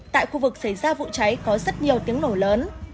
tại khu vực xảy ra vụ cháy có rất nhiều tiếng nổ lớn